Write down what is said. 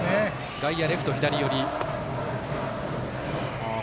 外野、レフト、左寄り。